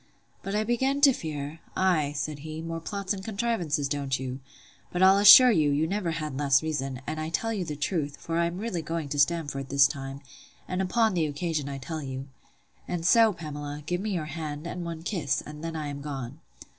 But I begin to fear—Ay, said he, more plots and contrivances, don't you?—But I'll assure you, you never had less reason; and I tell you the truth; for I am really going to Stamford this time; and upon the occasion I tell you. And so, Pamela, give me your hand, and one kiss; and then I am gone.